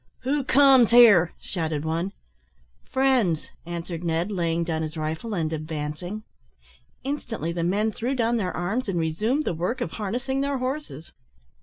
"Who comes here?" shouted one. "Friends," answered Ned, laying down his rifle and advancing. Instantly the men threw down their arms and resumed the work of harnessing their horses.